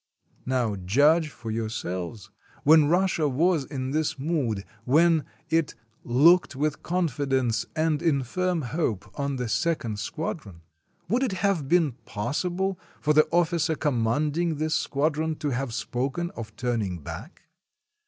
Now judge for yourselves; when Russia was in this mood, when it "looked with confidence and in firm hope on the Second Squadron," would it have been possible for the officer commanding this squadron to have spoken of turning back?